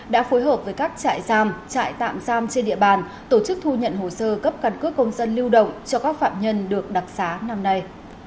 đã phối hợp với các trại giam trại tạm giam trên địa bàn tổ chức thu nhận hồ sơ cấp căn cước công dân lưu động cho các phạm nhân được đặc xá năm nay